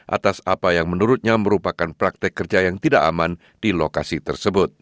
atas apa yang menurutnya merupakan praktek kerja yang tidak aman di lokasi tersebut